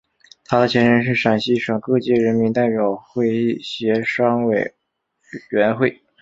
它的前身是陕西省各界人民代表会议协商委员会。